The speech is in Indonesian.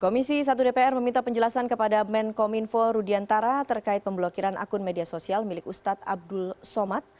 komisi satu dpr meminta penjelasan kepada menkominfo rudiantara terkait pemblokiran akun media sosial milik ustadz abdul somad